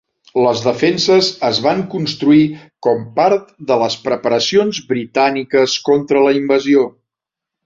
Les defenses es van construir com part de les preparacions britàniques contra la invasió.